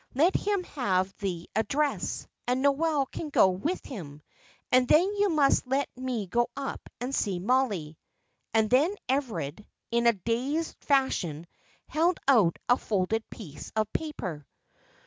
Let him have the address, and Noel can go with him; and then you must let me go up and see Mollie." And then Everard, in a dazed fashion, held out a folded piece of paper.